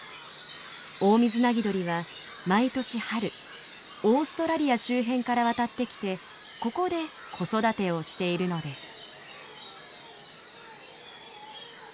オオミズナギドリは毎年春オーストラリア周辺から渡ってきてここで子育てをしているのです。